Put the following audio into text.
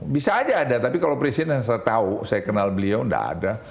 bisa aja ada tapi kalau presiden yang saya tahu saya kenal beliau tidak ada